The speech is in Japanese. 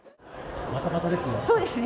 ばたばたですね。